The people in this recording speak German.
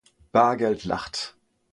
Bargeld lacht.